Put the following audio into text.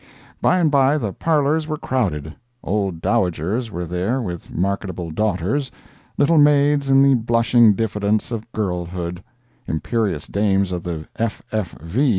Bye and bye the parlors were crowded. Old Dowagers were there with marketable daughters; little maids in the blushing diffidence of girlhood; imperious dames of the F. F. V.